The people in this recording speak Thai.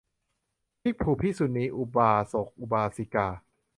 ภิกษุ ภิกษุณี อุบาสก อุบาสิกา